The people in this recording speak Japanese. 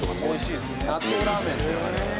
おいしいですよね。